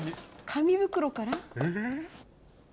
紙袋から？